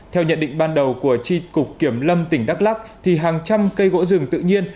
theo nhận định ban đầu của tri cục kiểm lâm tỉnh đắk lắc hàng trăm cây gỗ rừng tự nhiên